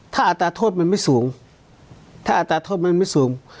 ถ้าอัตราโทษมันไม่สูงถ้าอัตราโทษมันไม่สูง